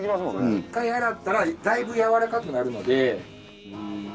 １回洗ったらだいぶやわらかくなるので。